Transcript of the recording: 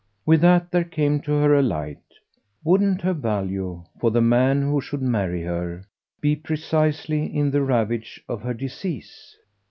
With that there came to her a light: wouldn't her value, for the man who should marry her, be precisely in the ravage of her disease?